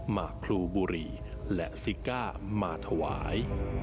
หมากครูบุรีและซิก้ามาถวาย